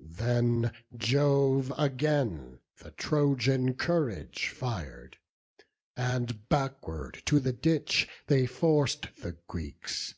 Then Jove again the Trojan courage fir'd, And backward to the ditch they forc'd the Greeks.